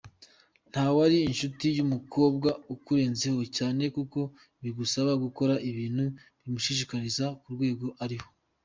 Ntiwaba inshuti n’umukobwa ukurenzeho cyane kuko bigusaba gukora ibintu bimushimisha ku rwego ariho.